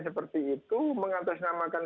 seperti itu mengatasnamakan